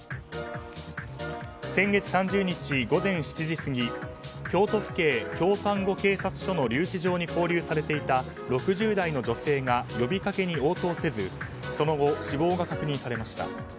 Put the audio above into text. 先月３０日午前７時過ぎ京都府警京丹後警察署の留置場に勾留されていた６０代の女性が呼びかけに応答せずその後、死亡が確認されました。